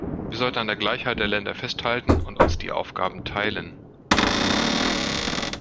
Wir sollten an der Gleichheit der Länder festhalten und uns die Aufgaben teilen.